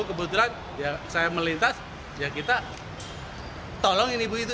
kebetulan saya melintas ya kita tolong ini bu itu itu